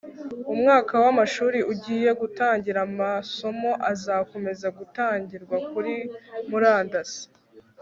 umwaka w'amashuri ugiye gutangira amasomo azakomeza gutangirwa kuri murandasi